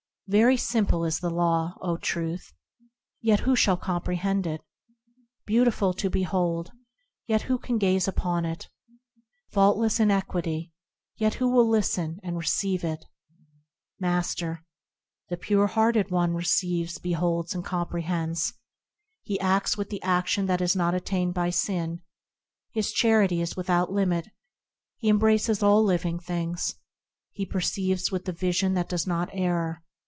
Very simple is the Law, O Truth ! yet who shall comprehend it ? Beautiful to behold, yet who can gaze upon it ? Faultless in equity, yet who will listen, and receive it ? Master. The pure hearted one receives, beholds, and comprehends; He acts with the action that is not attained by sin ; His charity is without limit, it embraces all living things; He perceives with the vision that does not err.